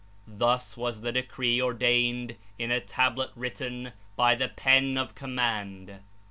Thus was the decree ordained in a Tablet written by the Pen of Command."